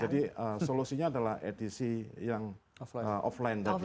jadi solusinya adalah edisi yang offline